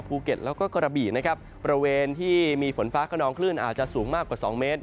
ภูเกธและก็กรบินะครับประเวณที่มีฝนฟ้ากระนองคลื่นอาจจะสูงมากกว่า๒เมตร